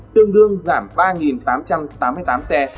tương đương giảm ba tám trăm tám mươi tám xe